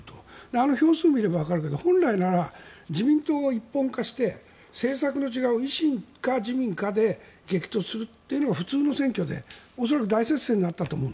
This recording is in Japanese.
あの票数を見ればわかるけど本来は自民党が一本化して政策の違いを維新か自民で激突するというのが普通の選挙で恐らく大接戦になったと思う。